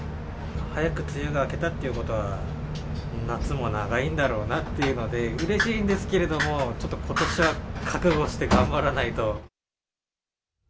早く梅雨が明けたっていうことは、夏も長いんだろうなっていうので、うれしいんですけれども、ちょっとことしは覚悟して頑張らないと。